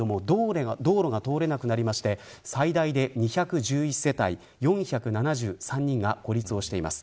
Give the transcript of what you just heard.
道路が通れなくなりまして最大で２１１世帯４７３人が孤立しています。